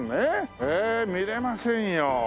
へえ見れませんよ。